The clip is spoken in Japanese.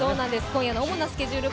今夜の主なスケジュール